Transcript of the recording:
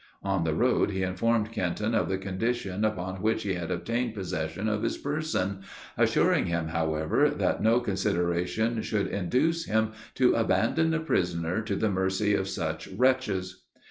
On the road, he informed Kenton of the condition upon which he had obtained possession of his person, assuring him, however, that no consideration should induce him to abandon a prisoner to the mercy of such wretches.